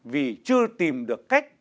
vì chưa tìm được cách